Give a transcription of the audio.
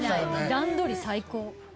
段取り最高。